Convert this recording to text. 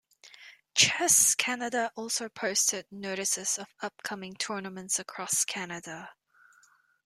"Chess Canada" also posted notices of upcoming tournaments across Canada.